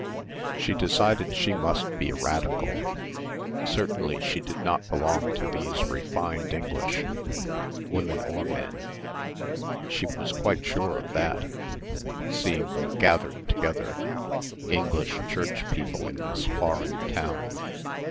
She decided she must be a Radical. Certainly she did not belong to these "refined" English women or men. She was quite sure of that, seeing them gathered together, English Church people in this foreign town.